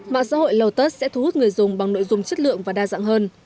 mạng xã hội lotus sẽ thu hút người dùng bằng nội dung chất lượng và đa dạng hơn